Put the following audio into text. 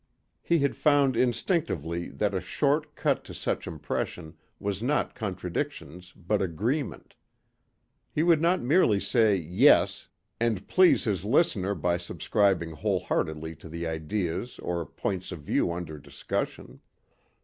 He had found instinctively that a short cut to such impression was not contradictions but agreement. But he would not merely say "yes" and please his listener by subscribing whole heartedly to the ideas or points of view under discussion.